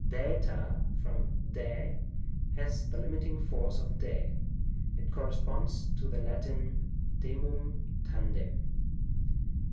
SfJTa, from 5;^, has the limiting force of 8ri ; it corresponds to the Lat. demum^ ta/ndem.